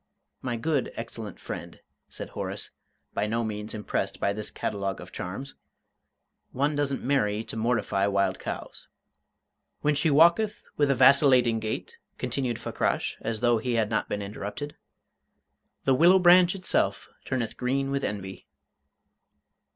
"My good, excellent friend," said Horace, by no means impressed by this catalogue of charms, "one doesn't marry to mortify wild cows." "When she walketh with a vacillating gait," continued Fakrash, as though he had not been interrupted, "the willow branch itself turneth green with envy."